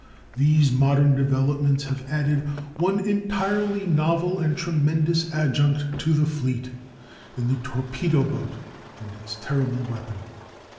These modern developments have added one entirely novel and tremendous adjunct to the fleet, in the torpedo boat and its terrible weapon.